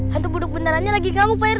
hantu budeg benerannya lagi kamu pak rt